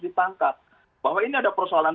ditangkap bahwa ini ada persoalan